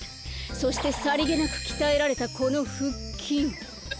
そしてさりげなくきたえられたこのふっきん。